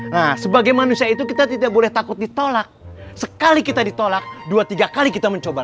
nah sebagai manusia itu kita tidak boleh takut ditolak sekali kita ditolak dua tiga kali kita mencoba